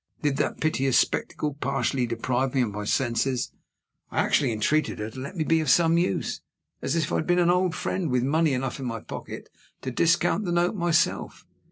Did that piteous spectacle partially deprive me of my senses? I actually entreated her to let me be of some use as if I had been an old friend, with money enough in my pocket to discount the note myself.